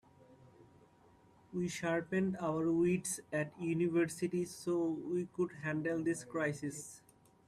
We sharpened our wits at university so we could handle this crisis.